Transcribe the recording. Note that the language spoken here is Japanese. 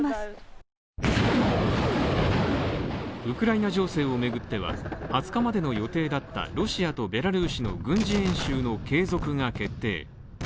ウクライナ情勢を巡っては、２０日までの予定だったロシアとベラルーシの軍事演習の継続が決定。